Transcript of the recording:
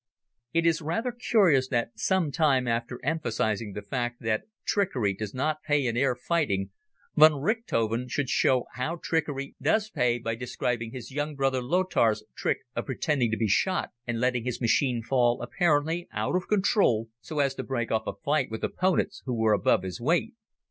It is rather curious that some time after emphasizing the fact that trickery does not pay in air fighting, von Richthofen should show how trickery does pay by describing his young brother Lothar's trick of pretending to be shot and letting his machine fall apparently out of control, so as to break off a fight with opponents who were above his weight.